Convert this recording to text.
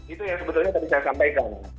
itu yang sebetulnya tadi saya sampaikan